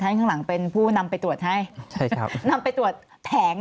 ข้างหลังเป็นผู้นำไปตรวจให้ใช่ครับนำไปตรวจแผง